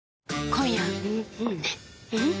今夜はん